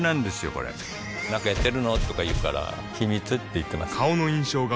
これなんかやってるの？とか言うから秘密って言ってます